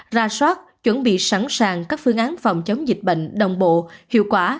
ra soát chuẩn bị sẵn sàng các phương án phòng chống dịch bệnh đồng bộ hiệu quả